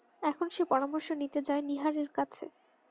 এখন সে পরামর্শ নিতে যায় নীহারের কাছে।